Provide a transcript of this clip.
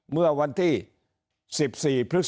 เมื่อวันที่๑๔พฤศ